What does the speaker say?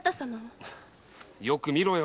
よく見ろよ。